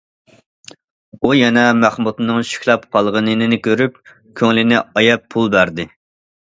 ئۇ يەنە مەخمۇتنىڭ شۈكلەپ قالغىنىنى كۆرۈپ، كۆڭلىنى ئاياپ پۇل بەردى.